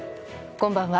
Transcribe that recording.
こんばんは。